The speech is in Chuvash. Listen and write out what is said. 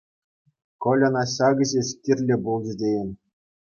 Кольӑна ҫакӑ ҫеҫ кирлӗ пулчӗ тейӗн.